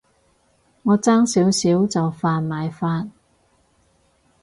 我差少少就犯埋法